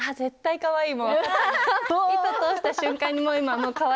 かわいい！